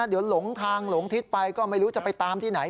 เดี๋ยวหลงทางหลงทิศไปก็ไม่รู้จะไปตามที่ไหน